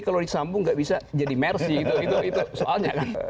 kalau disambung tidak bisa jadi mercy gitu itu soalnya kan